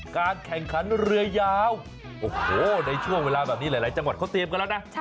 การแข่งขันเรือยาวโอ้โหในช่วงเวลาแบบนี้หลายจังหวัดเขาเตรียมกันแล้วนะ